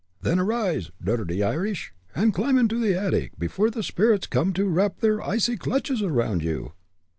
"Then arise, dirdty Irish, and climb into the attic, before the spirits come to wrap their icy clutches around you!"